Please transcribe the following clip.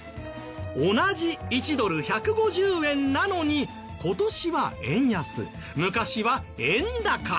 同じ１ドル１５０円なのに今年は円安昔は円高。